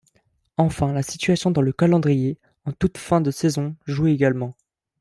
Enfin, la situation dans le calendrier, en toute fin de saison, joue également.